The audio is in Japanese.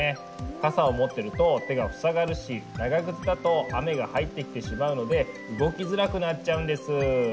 傘を持ってると手が塞がるし長靴だと雨が入ってきてしまうので動きづらくなっちゃうんです。